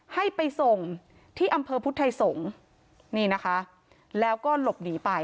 ให้ไปส่งที่อำเภอพุทธไทยสงฆ์นี่นะคะแล้วก็หลบหนีไป